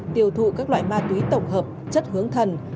tiêu thụ các loại ma túy tổng hợp chất hướng thần